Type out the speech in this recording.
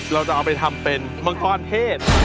เราจะเอาไปทำเป็นมังกรเทศ